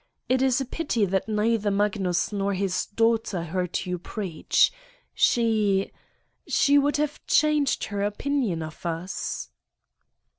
It is a pity that neither Mag nus nor his daughter heard you preach, She she would have changed her opinion of us."